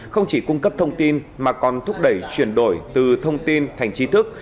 không chỉ cung cấp thông tin mà còn thúc đẩy chuyển đổi từ thông tin thành trí thức